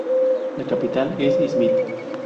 La capital es İzmit.